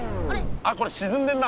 あっこれしずんでんな。